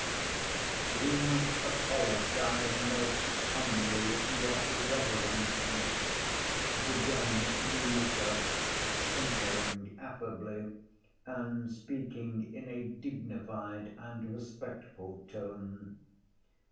"We must apologize most humbly, your reverence," began Miüsov, simpering affably, and speaking in a dignified and respectful tone.